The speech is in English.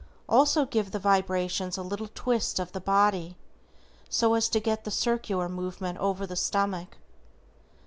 Also give the vibrations with a little twist of the body, so as to get the circular movement over the stomach.